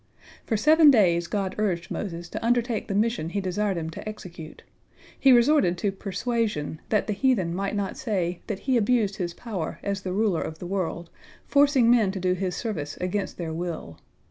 For seven days God urged Moses to undertake the mission He desired him to execute. He resorted to persuasion, that the heathen might not say, that He abused His power as the Ruler of the world, forcing men to do His service against their will.